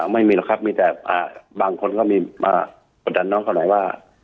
ไม่มีหรอกครับมีแต่บางคนก็มีมากดดันน้องเขาหน่อยว่า